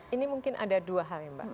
ini mungkin ada dua hal ya mbak